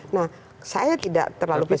nah saya tidak terlalu percaya